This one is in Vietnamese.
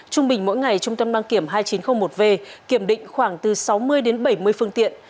trung bình mỗi ngày trung tâm đăng kiểm hai nghìn chín trăm linh một v kiểm định khoảng từ sáu mươi đến bảy mươi phương tiện